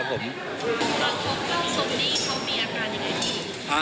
อ่าพบกับสมดีเขามีอาการอย่างไรดี